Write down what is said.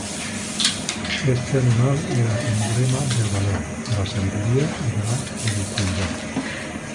Este animal era emblema del valor, de la sabiduría y de la ubicuidad.